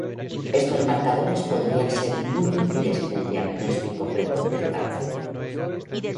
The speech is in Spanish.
Estos marcadores podrían ser muy útiles en el diagnóstico precoz del cáncer.